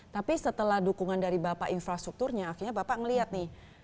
tapi setelah dukungan dari bapak infrastrukturnya akhirnya bapak melihat nih